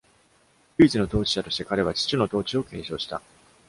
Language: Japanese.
「唯一の統治者」として、彼は父の統治を継承した。